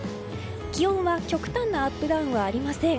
気温は極端なアップダウンはありません。